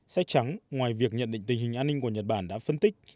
sách trắng ngoài việc nhận định tình hình an ninh của nhật bản đã phân tích